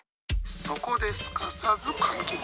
そこですかさず換気！